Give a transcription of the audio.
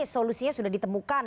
solusinya sudah ditemukan